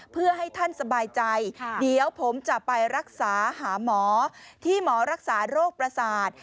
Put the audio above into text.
เพื่อให้ท่านสบายใจเดี๋ยวผมจะไปรักษาหาหมอที่หมอรักษาโรคประสาท